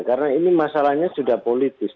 karena ini masalahnya sudah politis